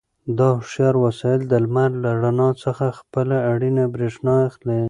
دا هوښیار وسایل د لمر له رڼا څخه خپله اړینه برېښنا اخلي.